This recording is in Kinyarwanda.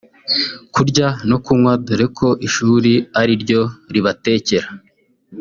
kurya no kunywa dore ko ishuri ari ryo ribatekera